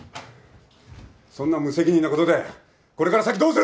そんな無責任なことでこれから先どうする！